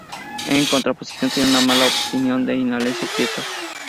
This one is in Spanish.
En contraposición, tenía una mala opinión de Indalecio Prieto.